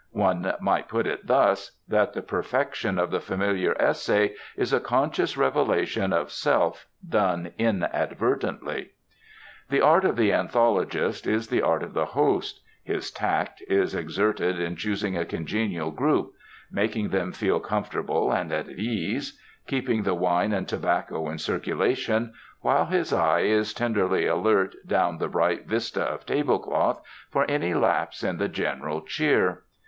One might put it thus: that the perfection of the familiar essay is a conscious revelation of self done inadvertently. The art of the anthologist is the art of the host: his tact is exerted in choosing a congenial group; making them feel comfortable and at ease; keeping the wine and tobacco in circulation; while his eye is tenderly alert down the bright vista of tablecloth, for any lapse in the general cheer.